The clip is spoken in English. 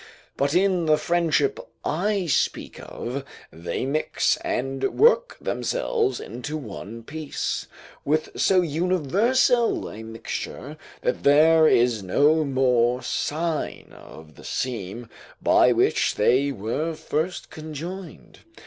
But in the friendship I speak of, they mix and work themselves into one piece, with so universal a mixture, that there is no more sign of the seam by which they were first conjoined.